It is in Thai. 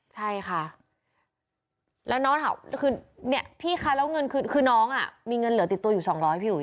ใช่ค่ะแล้วน้องก็ถามนี่พี่ค้าแล้วเงินคืนน้องมีเงินเหลือติดตัวอยู่๒๐๐พี่หุ้ย